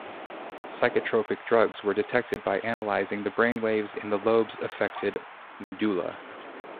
Psychotropic drugs were detected by analyzing the brainwaves in the lobe's affected medulla